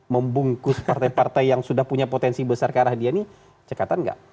membungkus partai partai yang sudah punya potensi besar ke arah dia ini cekatan nggak